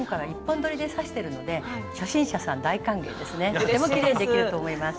とてもきれいにできると思います。